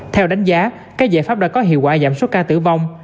theo đánh giá các giải pháp đã có hiệu quả giảm số ca tử vong